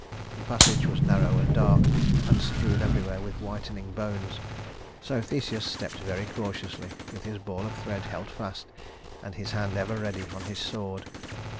The passage was narrow and dark, and strewn everywhere with whitening bones, so Theseus stepped very cautiously, with his ball of thread held fast and his hand ever ready on his sword.